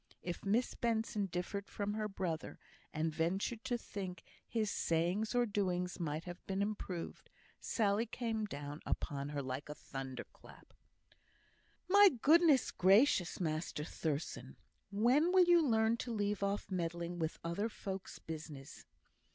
If Miss Benson differed from her brother, and ventured to think his sayings or doings might have been improved, Sally came down upon her like a thunder clap. "My goodness gracious, Master Thurstan, when will you learn to leave off meddling with other folks' business!